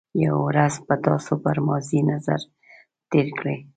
یو ورځ به تاسو پر ماضي نظر تېر کړئ.